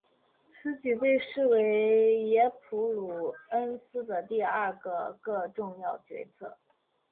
此举被视为斯普鲁恩斯的第二个个重要决策。